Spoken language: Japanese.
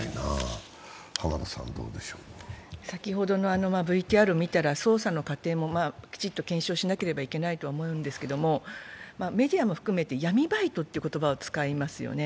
先ほどのＶＴＲを見たら捜査の過程もきちんと検証しなければならないんですが、メディアも含めて「闇バイト」という言葉を使いますよね。